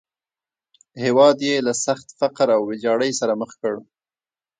هېواد یې له سخت فقر او ویجاړۍ سره مخ کړ.